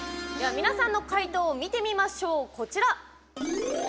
皆さんの解答、見てみましょう。